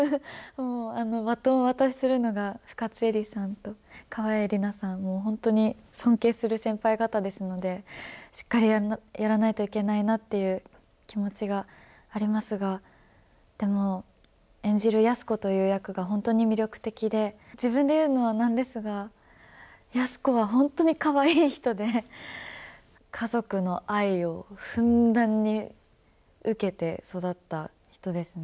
バトンをお渡しするのが深津絵里さんと川栄李奈さん、もう本当に尊敬する先輩方ですので、しっかりやらないといけないなっていう気持ちがありますが、でも、演じる安子という役が本当に魅力的で、自分で言うのはなんですが、安子は本当にかわいい人で、家族の愛をふんだんに受けて育った人ですね。